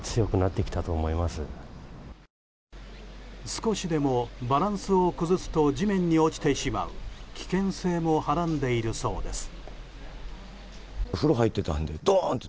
少しでもバランスを崩すと地面に落ちてしまう危険性もはらんでいるそうです。